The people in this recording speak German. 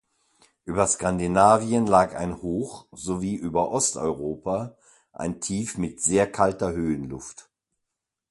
Über Skandinavien lag ein Hoch sowie über Osteuropa ein Tief mit sehr kalter Höhenluft.